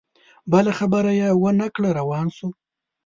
بله خبره یې ونه کړه روان سو